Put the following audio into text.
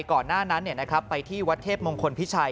ก่อนหน้านั้นไปที่วัดเทพมงคลพิชัย